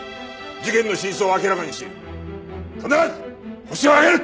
事件の真相を明らかにし必ずホシを挙げる！